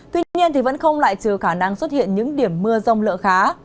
tuy nhiên vẫn không lại trừ khả năng xuất hiện những điểm mưa rông lợi khá